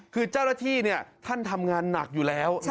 คือเจ้าระที่เนี่ยท่านทำงานหนักอยู่แล้ว